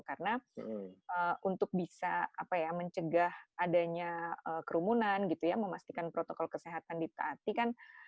karena untuk bisa mencegah adanya kerumunan gitu ya memastikan protokol kesehatan diperhatikan